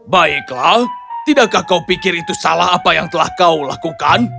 baiklah tidakkah kau pikir itu salah apa yang telah kau lakukan